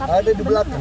ada di belakang